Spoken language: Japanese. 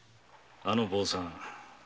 あの坊さん